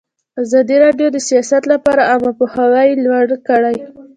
ازادي راډیو د سیاست لپاره عامه پوهاوي لوړ کړی.